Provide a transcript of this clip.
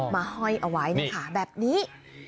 มาห้อยเอาไว้นะคะแบบนี้